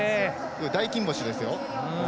大金星ですよ。